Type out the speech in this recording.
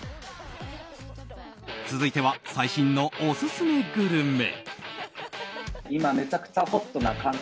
続いては最新のオススメグルメ。